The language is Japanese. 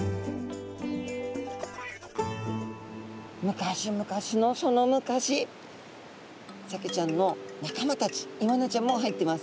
昔昔のその昔サケちゃんの仲間たちイワナちゃんも入ってます。